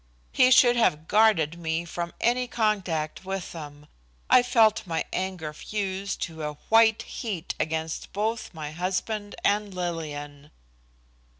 He should have guarded me from any contact with them. I felt my anger fuse to a white heat against both my husband and Lillian.